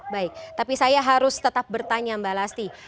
baik tapi saya harus tetap bertanya mbak lasti